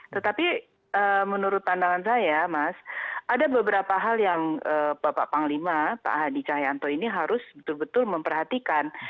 tetapi menurut pandangan saya mas ada beberapa hal yang bapak panglima pak hadi cahayanto ini harus betul betul memperhatikan